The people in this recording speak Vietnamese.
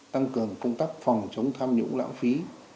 tăng cường công tác phòng chống tham nhũng lãng phí